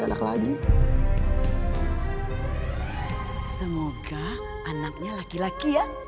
saya harus jaga kandungan kakak